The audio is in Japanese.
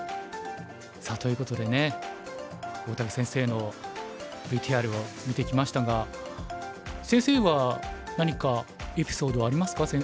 さあということでね大竹先生のＶＴＲを見てきましたが先生は何かエピソードありますか？